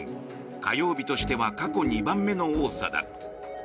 火曜日としては過去２番目の多さだ。